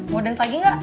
mau dance lagi nggak